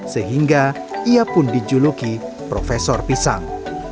sehingga ia pun dijuluki profesor pisang